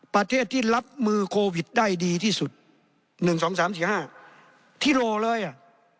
ประเทศที่รับมือโควิดได้ดีที่สุดหนึ่งสองสามสี่ห้าที่โหลเลยอ่ะ